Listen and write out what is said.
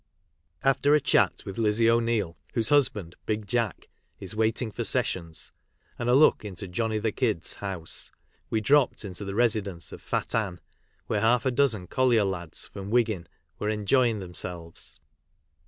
After a chat with Lizzie O'Neill, whose husband, I ™g Jack," is " waiting for sessions," and a look into "Johnny the Kid's" house, we dropped into the ^ residence of " Fat Ann," where half a dozen colher lads from " Wiggin" were "enjoying " themselves.